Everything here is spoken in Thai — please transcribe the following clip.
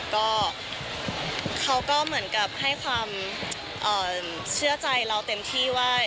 ก็เขาก็เหมือนกับให้ความเชื่อใจเราเต็มที่ว่า